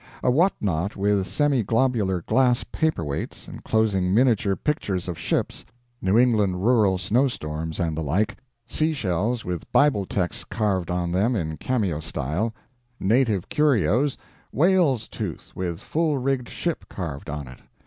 A what not with semi globular glass paperweights, enclosing miniature pictures of ships, New England rural snowstorms, and the like; sea shells with Bible texts carved on them in cameo style; native curios; whale's tooth with full rigged ship carved on it.